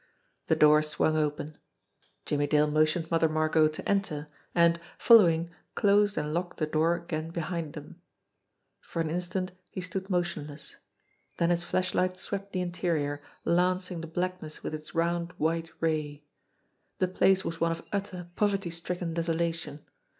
The door swung open. Jimmie Dale motioned Mother Margot to enter, and, following, closed and locked the door again behind them. For an instant he stood motionless, then his flashlight swept the interior, lancing the blackness with its round, white ray. The place was one of utter, poverty stricken desola tion.